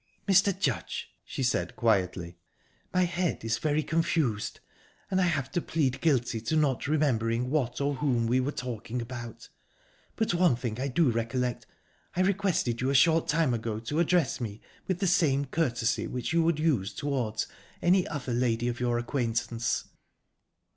"Mr. Judge," she said quietly, "my head is very confused, and I have to plead guilty to not remembering what or whom we were talking about; but one thing I do recollect. I requested you a short time ago to address me with the same courtesy which you would use towards any other lady of your acquaintance."